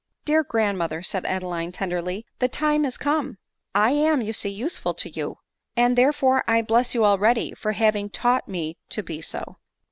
"Dear grandmother," said Adeline tenderly, "the time is come ; I am, you see, useful to you ; and, there fere, I bless you already for having taught me to be so."